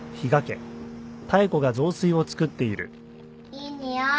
いい匂い。